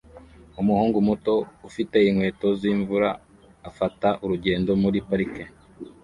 Umuhungu muto ufite inkweto zimvura afata urugendo muri parike